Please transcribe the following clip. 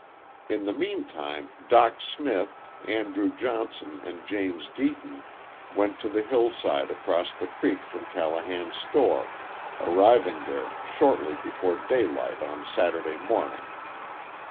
In the meantime Dock Smith, Andrew Johnson and James Deaton went to the hillside across the creek from Callahan's store, arriving there shortly before daylight on Saturday morning.